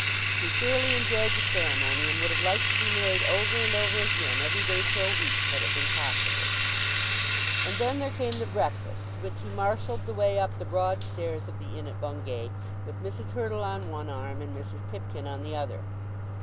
He thoroughly enjoyed the ceremony, and would have liked to be married over and over again, every day for a week, had it been possible. And then there came the breakfast, to which he marshalled the way up the broad stairs of the inn at Bungay, with Mrs. Hurtle on one arm and Mrs. Pipkin on the other.